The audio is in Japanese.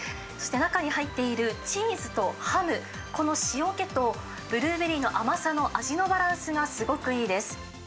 中に入っているチーズとハム、この塩気とブルーベリーの甘さの味のバランスがすごくいいです。